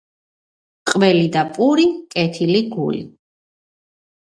ყველი და პური - კეთილი გული